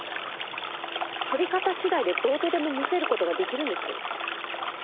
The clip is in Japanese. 撮り方次第でどうとでも見せる事ができるんですよ。